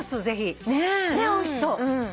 ぜひ。ねえおいしそう。